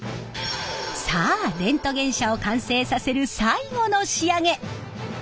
さあレントゲン車を完成させる最後の仕上げ！